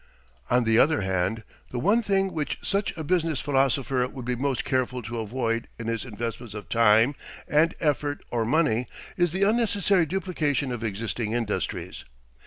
On the other hand, the one thing which such a business philosopher would be most careful to avoid in his investments of time and effort or money, is the unnecessary duplication of existing industries.